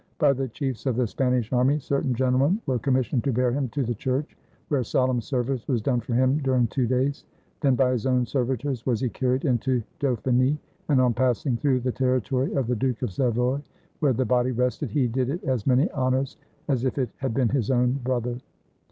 By the chiefs of the Spanish army cer tain gentlemen were commissioned to bear him to the church, where solemn service was done for him during two days. Then, by his own servitors was he carried into Dauphiny, and, on passing through the territory of the Duke of Savoy, where the body rested, he did it as many honors as if it had been his own brother.